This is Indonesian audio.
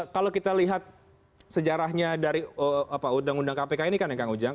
kalau kita lihat sejarahnya dari undang undang kpk ini kan ya kang ujang